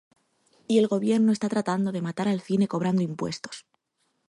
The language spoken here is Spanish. Y el gobierno está tratando de matar al cine cobrando impuestos.